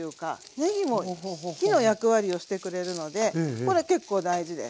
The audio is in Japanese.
ねぎも火の役割をしてくれるのでこれ結構大事です。